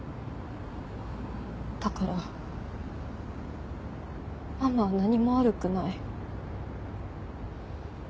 だからママは何も悪くない。